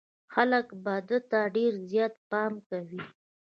خلک به ده ته ډېر زيات پام کوي.